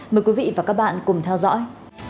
mời quý vị và các bạn cùng theo dõi